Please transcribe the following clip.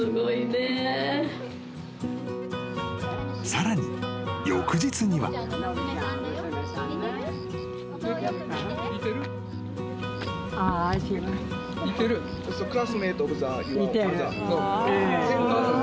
［さらに翌日には］似てる。